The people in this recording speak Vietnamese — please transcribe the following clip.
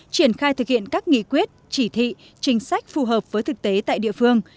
triển khai thực hiện các nghị quyết chỉ thị chính sách phù hợp với thực tế tại địa phương